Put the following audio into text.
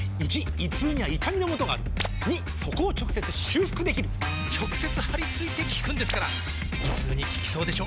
①胃痛には痛みのもとがある②そこを直接修復できる直接貼り付いて効くんですから胃痛に効きそうでしょ？